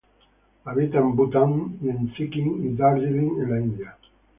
Habita en Bután y en Sikkim y Darjeeling en la India.